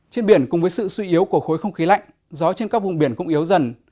trên biển cùng với sự suy yếu của khối không khí lạnh gió trên các vùng biển cũng yếu dần